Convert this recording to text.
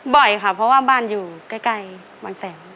บ่อยค่ะเพราะว่าบ้านอยู่ใกล้วันแสง